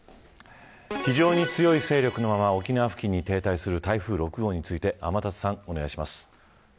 非常に強い勢力のまま沖縄付近に停滞する台風６号について天達さん、お願いします。